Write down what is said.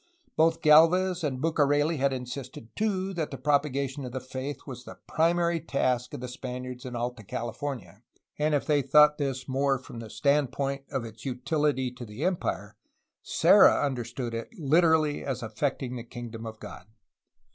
Both Galvez and Bucareli had insisted, too, that the propagation of the faith was the primary task of the Spaniards in Alta California, and if they thought of this more from the standpoint of its utility to the empire Serra under stood it literally as affecting the kingdom of God.